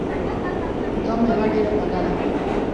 دا میوه ډېره خوږه ده